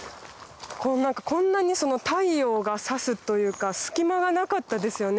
何かこんなに太陽が差すというか隙間がなかったですよね。